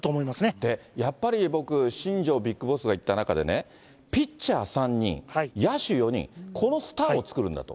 やっぱり僕、新庄ビッグボスが言った中でね、ピッチャー３人、野手４人、このスターを作るんだと。